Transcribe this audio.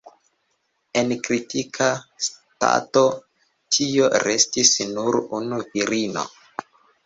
En kritika stato tiel restis nur unu virino.